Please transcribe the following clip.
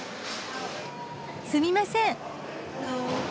すみません。